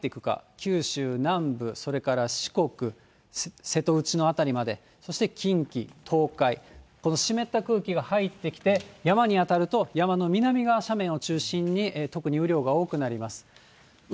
九州南部、それから四国、瀬戸内の辺りまで、そして近畿、東海、この湿った空気が入ってきて山に当たると、山の南側斜面を中心に、特に雨量が多くなります。